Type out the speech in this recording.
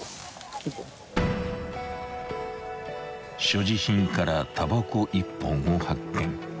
［所持品からタバコ１本を発見］